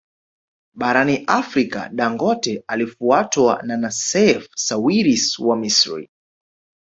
Barani Afrika Dangote alifuatwa na Nassef Sawiris wa Misri